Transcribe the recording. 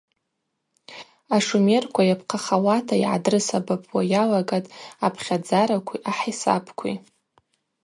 Ашумерква йапхъахауата йгӏадрысабапуа йалагатӏ апхьадзаракви ахӏисапкви.